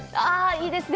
いいですね。